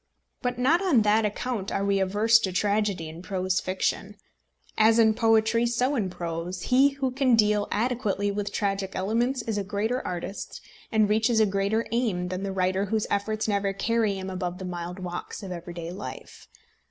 But not on that account are we averse to tragedy in prose fiction. As in poetry, so in prose, he who can deal adequately with tragic elements is a greater artist and reaches a higher aim than the writer whose efforts never carry him above the mild walks of everyday life.